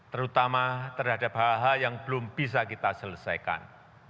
terutama terhadap hal hal yang belum bisa kita selesaikan